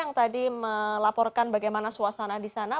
yang tadi melaporkan bagaimana suasana di sana